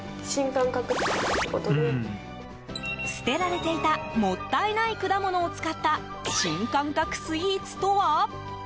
捨てられていたもったいない果物を使った新感覚スイーツとは？